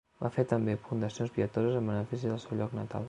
Va fer també fundacions pietoses en benefici del seu lloc natal.